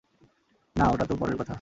না, ওটা তো পরের কথা।